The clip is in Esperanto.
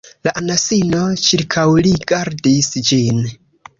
La anasino ĉirkaŭrigardis ĝin.